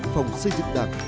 phòng xây dựng đảng